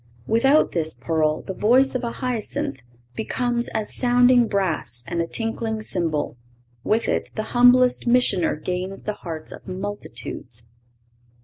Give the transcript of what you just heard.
Without this pearl the voice of a Hyacinthe "becomes as sounding brass and a tinkling cymbal;" with it, the humblest missioner gains the hearts of multitudes.